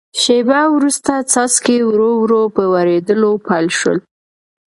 شیبه وروسته څاڅکي ورو ورو په ورېدو پیل شول.